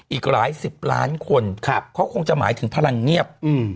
อีกหลายสิบล้านคนเขาคงจะหมายถึงพลังเงียบ